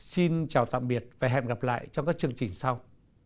xin chào tạm biệt và hẹn gặp lại trong các chương trình sau